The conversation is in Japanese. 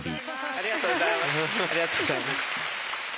ありがとうございます。